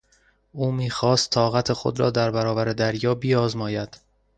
او میخواست طاقت خود را در برابر دریا بیازماید.